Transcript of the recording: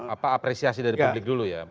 apa apresiasi dari publik dulu ya